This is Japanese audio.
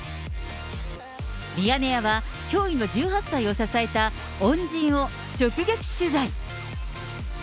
ミヤネ屋は驚異の１８歳を支えた恩人を直撃取材。